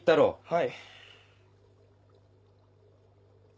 はい。